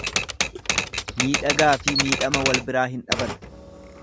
Miidhagaafi miidhama walbiraa hin dhaban.